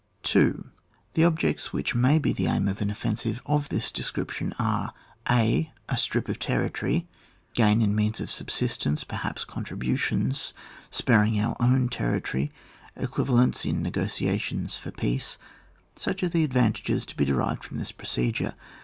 2. The objects which may be the aim of an offensive of this description are :— (a.) A strip of territory ; gain in means of subsistence, perhaps contributions, sparing our own territory, equivalents in negotiations for peace— such are the ad vantages to be derived from this procedure.